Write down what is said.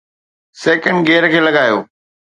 second gear کي لڳايو